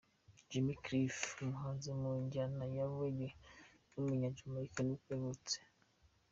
Jimmy Cliff, umuhanzi mu njyana ya Reggae w’umunya-Jamaica nibwo yavutse.